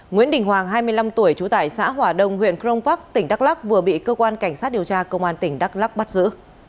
nguyễn đình hoàng hai mươi năm tuổi chú tải xã hòa đông huyện crong park tỉnh đắk lắk vừa bị cơ quan cảnh sát điều tra công an tỉnh đắk lắk bắt giữ